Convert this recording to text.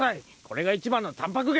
これが一番のタンパク源なんだ。